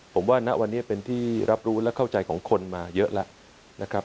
ผมว่าณวันนี้เป็นที่รับรู้และเข้าใจของคนมาเยอะแล้วนะครับ